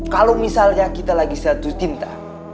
kalau misalnya kita lagi satu cinta